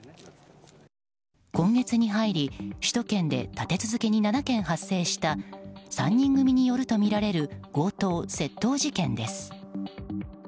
今月に入り首都圏で立て続けに７件発生した３人組によるとみられる強盗・窃盗事件です。